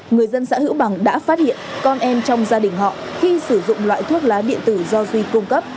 người dân xã hữu bằng đã phát hiện con em trong gia đình họ khi sử dụng loại thuốc lá điện tử do duy cung cấp